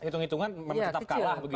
itung itungan tetap kalah begitu ya